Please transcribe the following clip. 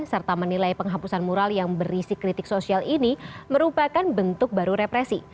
serta menilai penghapusan mural yang berisi kritik sosial ini merupakan bentuk baru represi